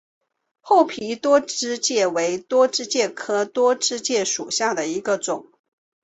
厚皮多枝介为多枝介科多枝介属下的一个种。